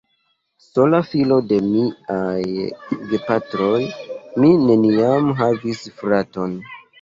Sola filo de miaj gepatroj, mi neniam havis fraton.